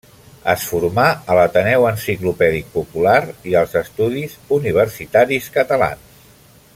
Es formà a l'Ateneu Enciclopèdic Popular i als Estudis Universitaris Catalans.